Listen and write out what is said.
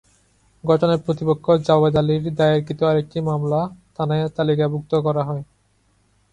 ঘটনায় প্রতিপক্ষ জাভেদ আলীর দায়েরকৃত আরেকটি মামলা থানায় তালিকাভুক্ত করা হয়।